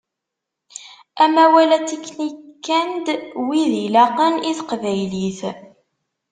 Amawal atiknikand win ilaqen i teqbaylit.